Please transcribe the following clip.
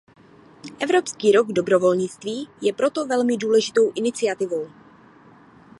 Evropský rok dobrovolnictví je proto velmi důležitou iniciativou.